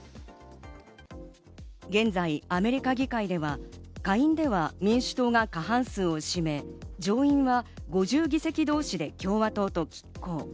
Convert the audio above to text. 現在アメリカ議会では、下院は民主党が過半数を占め、上院は５０議席同士で共和党と拮抗。